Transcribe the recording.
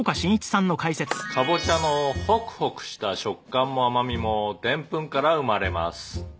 「カボチャのホクホクした食感も甘みもデンプンから生まれます」